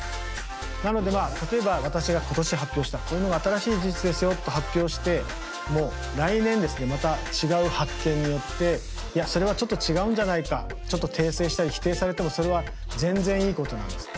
なのでまあ例えば私が今年発表したこういうのが新しい事実ですよと発表しても来年ですねまた違う発見によっていやそれはちょっと違うんじゃないかちょっと訂正したり否定されてもそれは全然いいことなんです。